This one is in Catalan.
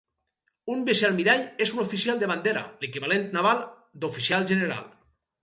Un Vicealmirall és un oficial de bandera, l'equivalent naval d'Oficial General.